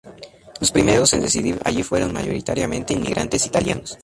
Los primeros en residir allí fueron mayoritariamente inmigrantes italianos.